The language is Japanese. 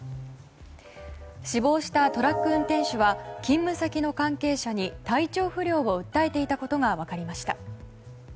死亡したトラック運転手は勤務先の関係者に体調不良を訴えていたことが分かりました。